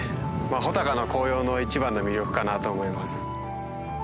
穂高の紅葉の一番の魅力かなと思います。